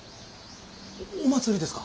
お祭りですか？